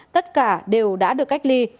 tất cả đều đã được cách ly